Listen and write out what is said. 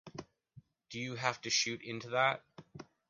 Do you have to shoot into that?